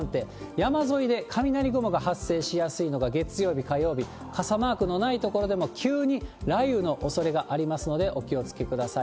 山沿いで雷雲が発生しやすいのが月曜日、火曜日、傘マークのない所でも急に雷雨のおそれがありますので、お気をつけください。